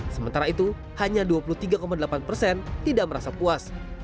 sementara itu hanya dua puluh tiga delapan persen tidak merasa puas